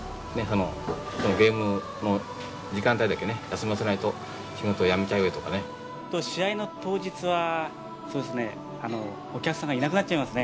あのこのゲームの時間帯だけね休ませないと仕事辞めちゃうよとかね試合の当日はそうですねお客さんがいなくなっちゃいます